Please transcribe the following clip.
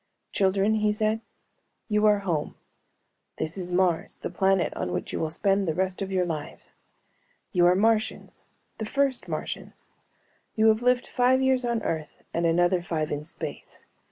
"Children," he said, "you are home. This is Mars, the planet on which you will spend the rest of your lives. You are Martians, the first Martians. You have lived five years on Earth and another five in space.